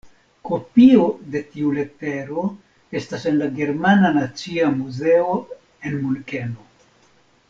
Kopio de tiu letero estas en la germana nacia muzeo en Munkeno.